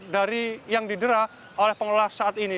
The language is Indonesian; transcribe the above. dari yang didera oleh pengelola saat ini